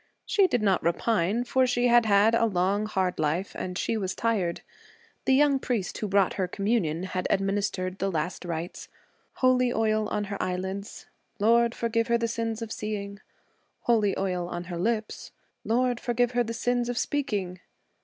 She did not repine, for she had had a long, hard life and she was tired. The young priest who brought her communion had administered the last rites holy oils on her eyelids (Lord, forgive her the sins of seeing!); holy oils on her lips (Lord, forgive her the sins of speaking!)